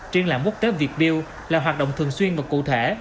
triển lãm quốc tế việt build là hoạt động thường xuyên và cụ thể